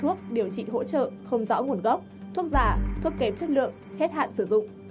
thuốc điều trị hỗ trợ không rõ nguồn gốc thuốc giả thuốc kém chất lượng hết hạn sử dụng